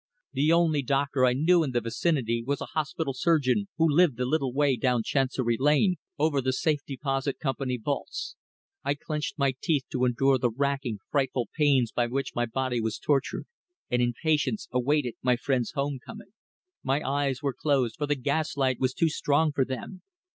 The only doctor I knew in the vicinity was a hospital surgeon who lived a little way down Chancery Lane, over the Safe Deposit Company's vaults. I clenched my teeth to endure the racking, frightful pains by which my body was tortured, and in patience awaited my friend's home coming. My eyes were closed, for the gas light was too strong for them.